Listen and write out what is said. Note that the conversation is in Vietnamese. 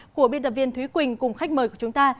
của biên tập viên thúy quỳnh cùng khách mời của chúng ta